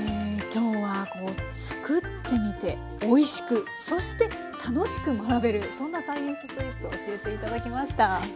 今日はこう作ってみておいしくそして楽しく学べるそんなサイエンススイーツを教えて頂きました。